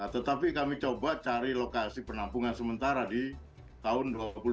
tetapi kami coba cari lokasi penampungan sementara di tahun dua puluh dua